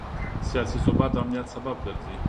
سیاسي ثبات د امنیت سبب ګرځي